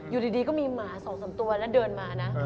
อยู่ดีก็มีหมา๒๓ตัวแล้วเดินมานะ